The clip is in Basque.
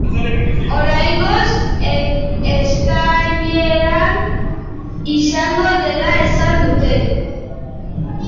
Oraingoz, ekainean izango dela esan dute.